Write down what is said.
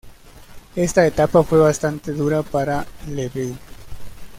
Esta etapa fue bastante dura para Le Beau.